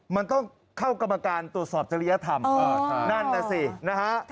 มันต้องเข้ากรรมการตรวจสอบจริยธรรมนั่นน่ะสินะฮะ